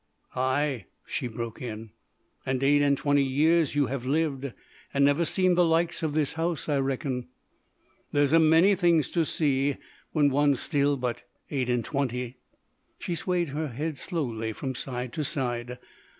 "Ay," she broke in; "and eight and twenty years you have lived and never seen the likes of this house, I reckon. There's a many things to see, when one's still but eight and twenty." She swayed her head slowly from side to side.